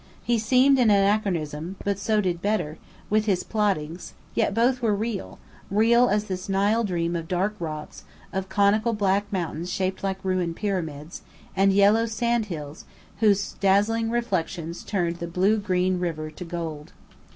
He seemed an anachronism, but so did Bedr, with his plottings; yet both were real, real as this Nile dream of dark rocks, of conical black mountains shaped like ruined pyramids, and yellow sandhills whose dazzling reflections turned the blue green river to gold.